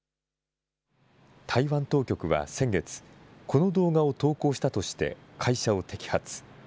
台湾当局は先月、この動画を投稿したとして会社を摘発。